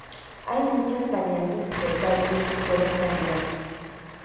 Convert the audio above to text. Hay muchas variantes y detalles que pueden cambiarse.